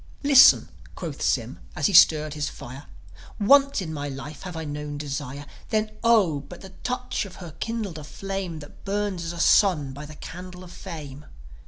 "Listen," quoth Sym, as he stirred his fire. "Once in my life have I known desire. Then, Oh, but the touch of her kindled a flame That burns as a sun by the candle of fame.